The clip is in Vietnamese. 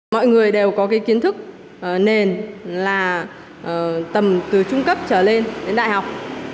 mọi người đều có cái kiến thức nền là tầm từ trung cấp trở lên đến đại học